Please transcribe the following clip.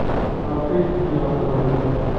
Maɣef ay tteddun ɣer uɣerbaz?